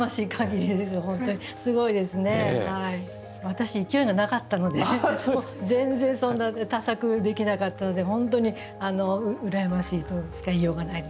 私勢いがなかったので全然そんな多作できなかったので本当に羨ましいとしか言いようがないですけどね。